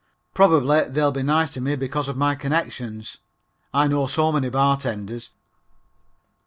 Probably they'll be nice to me because of my connections. I know so many bartenders.